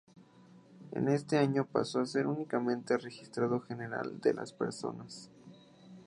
En este año paso a ser únicamente Registro General de las Personas.